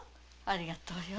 ありがとよ